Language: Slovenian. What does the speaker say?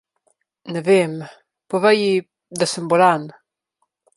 Ne vem. Povej ji, da sem bolan.